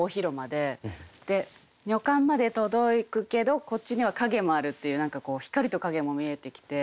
で女官まで届くけどこっちには陰もあるっていう何か光と陰も見えてきて。